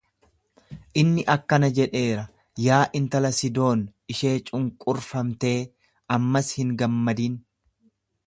Inni akkana jedheera: Yaa intala Sidoon ishee cunqurfamte, ammas hin gammadin.